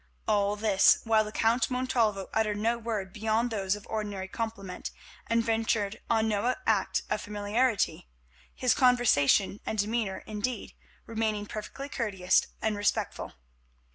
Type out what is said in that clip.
All this while the Count Montalvo uttered no word beyond those of ordinary compliment, and ventured on no act of familiarity; his conversation and demeanour indeed remaining perfectly courteous and respectful.